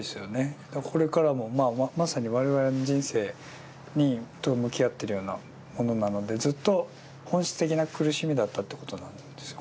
これからもまあまさに我々の人生と向き合ってるようなものなのでずっと本質的な苦しみだったってことなんですよね。